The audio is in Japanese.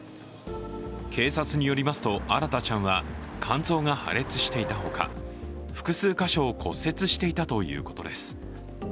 警察によりますと新大ちゃんは肝臓が破裂していたほか、複数箇所を骨折していたということです。